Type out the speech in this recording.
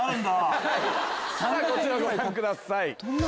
こちらご覧ください。